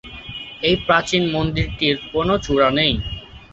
এই প্রাচীন মন্দিরটির কোনও চূড়া নেই।